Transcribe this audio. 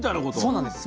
そうなんです。